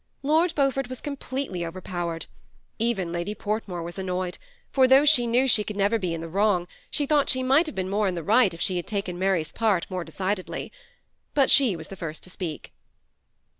Lord Beaufort was completely Sverpowered; even Lady Portmore was annoyed, for though she knew she could never be in the wrong, she thought she might have been more in the right if she had taken Mary's part more decidedly : but she was the first to speak.